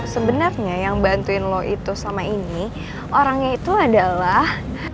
sebenarnya yang bantuin low itu selama ini orangnya itu adalah